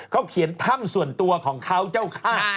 เขาเขียนถ้ำส่วนตัวของเขาเจ้าค่า